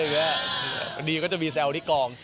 พอดีก็จะมีแซวที่กอง